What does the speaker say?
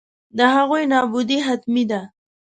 د هغوی نابودي حتمي ده.